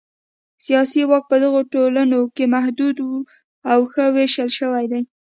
سیاسي واک په دغو ټولنو کې محدود او ښه وېشل شوی دی.